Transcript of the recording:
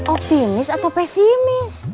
optimis atau pesimis